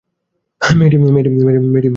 মেয়েটি এবার স্পষ্ট করে বলল, না।